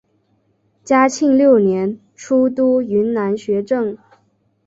嘉庆六年出督云南学政。